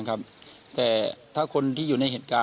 ๒๒ลุงพลแม่ตะเคียนเข้าสิงหรือเปล่า